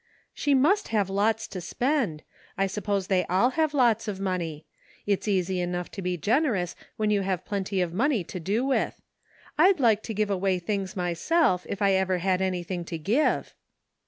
"She must have lots to spend ; I suppose they all have lots of money. It's easy enough to be generous when you have plenty of money to do with. I'd like to give away things myself, if I ever had anything to give."